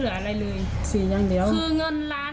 เหนือร้อนใจเลยเลยค่ะ